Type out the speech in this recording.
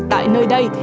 tại nơi đây